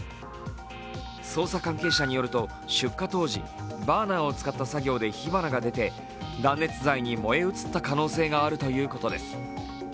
捜査関係者によると出火当時バーナーを使った作業で火花が出て断熱材に燃え移った可能性があるということです。